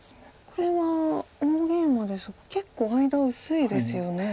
これは大ゲイマですが結構間薄いですよね。